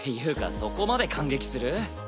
そこまで感激する？